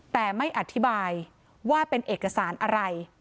แต่ไม่อธิบายว่าเป็นเอกสารอะไร